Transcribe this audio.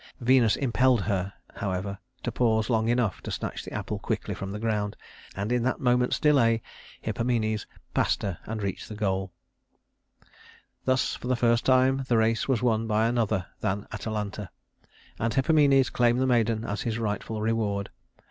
Venus impelled her, however, to pause long enough to snatch the apple quickly from the ground, and in that moment's delay Hippomenes passed her and reached the goal. [Illustration: Cybele] Thus for the first time the race was won by another than Atalanta, and Hippomenes claimed the maiden as his rightful reward.